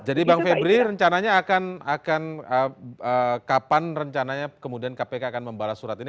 jadi bang febri rencananya akan akan kapan rencananya kemudian kpk akan membalas surat ini